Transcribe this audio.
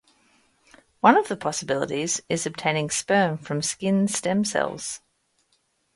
One of the possibilities is obtaining sperm from skin stem cells.